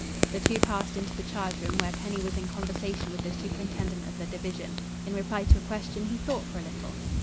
The two passed into the charge room, where Penny was in conversation with the superintendent of the division. In reply to a question, he thought for a little.